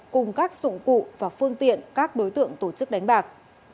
cùng các dụng cụ và phương tiện các đối tượng tổ chức đánh bạc